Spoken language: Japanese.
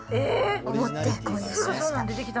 思って購入しました。